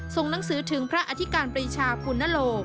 ส่งหนังสือถึงพระอธิการปรีชาปุณโล